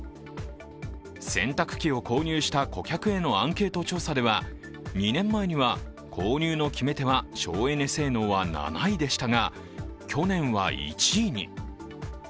洗濯機を購入した顧客へのアンケート調査では２年前には購入の決め手は省エネ性能は７位でしたが去年は１位に。